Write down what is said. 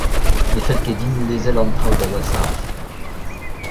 Ne fell ket din lezel an traoù da washaat.